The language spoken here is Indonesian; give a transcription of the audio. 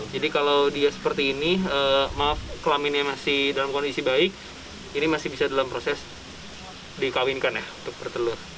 jadi kalau dia seperti ini maaf kelaminnya masih dalam kondisi baik ini masih bisa dalam proses dikawinkan ya untuk bertelur